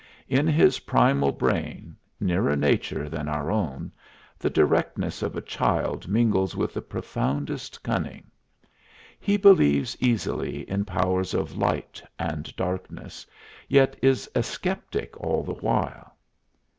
In his primal brain nearer nature than our own the directness of a child mingles with the profoundest cunning. He believes easily in powers of light and darkness, yet is a sceptic all the while.